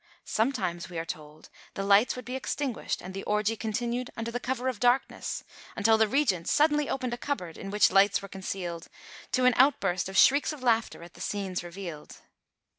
Sometimes, we are told, the lights would be extinguished, and the orgy continued under the cover of darkness, until the Regent suddenly opened a cupboard, in which lights were concealed to an outburst of shrieks of laughter at the scenes revealed.